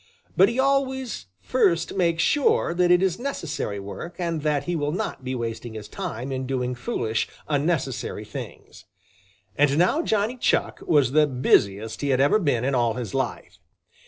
But he always first makes sure that it is necessary work and that he will not be wasting his time in doing foolish, unnecessary things. And now Johnny Chuck was the busiest he had ever been in all his life.